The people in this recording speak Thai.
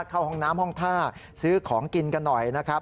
เข้าห้องน้ำห้องท่าซื้อของกินกันหน่อยนะครับ